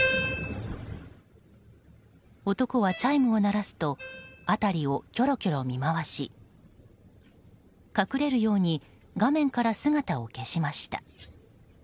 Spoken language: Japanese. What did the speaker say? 男はチャイムを鳴らすと辺りをきょろきょろ見回し隠れるように画面から姿を消しました。